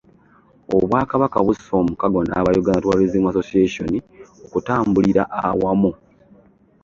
Obwakabaka busse omukago n'aba Uganda Tourism Association okutambulira awamu.